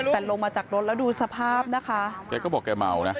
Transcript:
แต่ลงมาจากรถแล้วดูสภาพนะคะแกก็บอกแกเมานะ